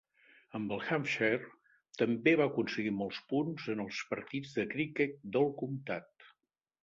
Amb el Hampshire, també va aconseguir molts punts en els partits de criquet del comtat.